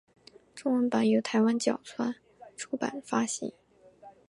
中文版由台湾角川出版发行。